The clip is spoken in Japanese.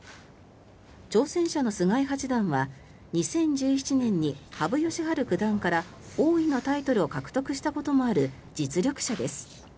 挑戦者の菅井八段は２０１７年に羽生善治九段から王位のタイトルを獲得したこともある実力者です。